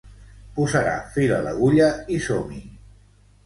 Posarà fil a l'agulla i som-hi.